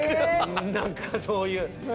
何かそういう。